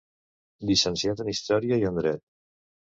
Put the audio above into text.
Llicenciat en Història i en Dret.